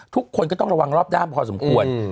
ทุกคนก็ต้องระวังรอบด้านพอสมควร